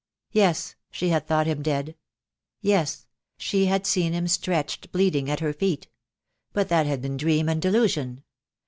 Yes, she had thought him dead — yes, she had seen him stretched bleeding at her feet; but that had been dream and delusion.